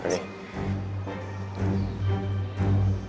ya deh aku jujur deh